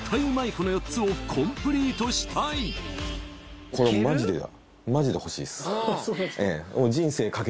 この４つをコンプリートしたいそうなんですか